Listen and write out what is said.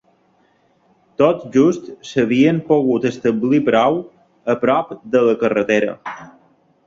Tot just s'havien pogut establir prou a prop de la carretera